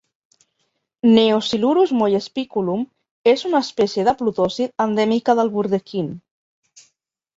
"Neosilurus mollespiculum" és una espècie de plotòsid endèmica del Burdekin.